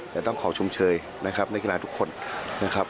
แต่ต้องขอชมเชยนะครับนักกีฬาทุกคนนะครับ